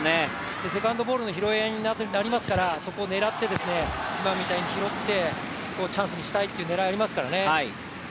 セカンドボールの拾い合いになりますからそこを狙って、今みたいに拾ってチャンスにしたいっていう狙いがありますからね。